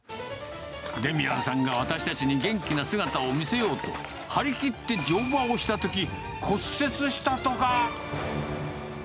デミアンさんが私たちに元気な姿を見せようと、張り切って乗馬をしたとき、骨折したとか。